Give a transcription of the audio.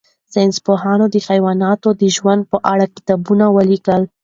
ساینس پوهانو د حیواناتو د ژوند په اړه کتابونه ولیکل.